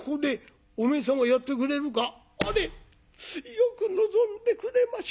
よく望んでくれました。